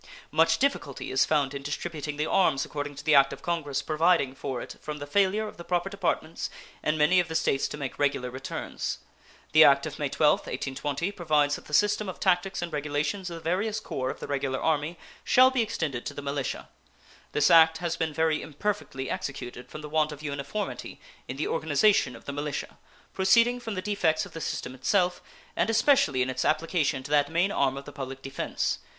Much difficulty is found in distributing the arms according to the act of Congress providing for it from the failure of the proper departments in many of the States to make regular returns. The act of May 12, 1820 provides that the system of tactics and regulations of the various corps of the Regular Army shall be extended to the militia. This act has been very imperfectly executed from the want of uniformity in the organization of the militia, proceeding from the defects of the system itself, and especially in its application to that main arm of the public defense.